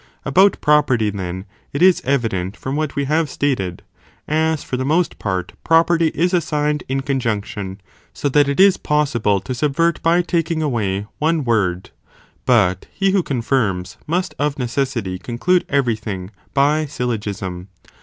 About property then, it is evi dent from what we have stated, as for the most part property is assigned in conjunction,f so that it is possible to subvert by taking away one (word); but he who confirms, must of necessity conclude every thing by syl logism.